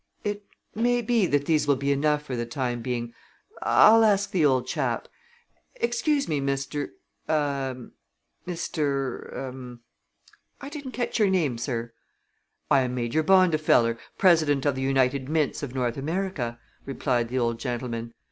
"It may be that these will be enough for the time being. I'll ask the old chap. Excuse me, Mr. er Mr. er, I didn't catch your name, sir." "I am Major Bondifeller, president of the United Mints of North America," replied the old gentleman.